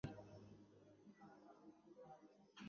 আমি কুকুরকে খুব ভয় পাই।